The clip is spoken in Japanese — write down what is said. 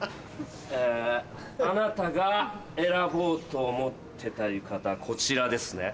えあなたが選ぼうと思ってた浴衣こちらですね。